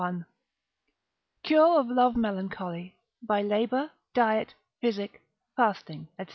1.—_Cure of Love Melancholy, by Labour, Diet, Physic, Fasting, &c.